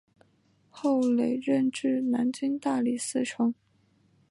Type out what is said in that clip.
后累任至南京大理寺丞。